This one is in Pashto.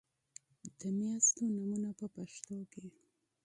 د میاشتو نومونه په پښتو کې